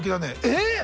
えっ！？